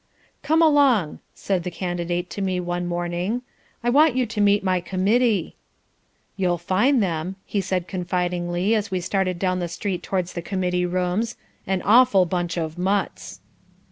"Come along," said the Candidate to me one morning, "I want you to meet my committee." "You'll find them," he said confidingly, as we started down the street towards the committee rooms, "an awful bunch of mutts."